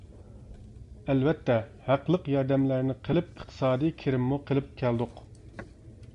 ئەلۋەتتە، ھەقلىق ياردەملەرنى قىلىپ ئىقتىسادىي كىرىممۇ قىلىپ كەلدۇق.